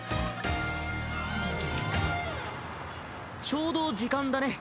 ちょうど時間だね。